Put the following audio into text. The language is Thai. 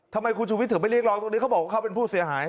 ทำไมคุณชูวิทย์ถึงไปเรียกร้องตรงนี้เขาบอกว่าเขาเป็นผู้เสียหาย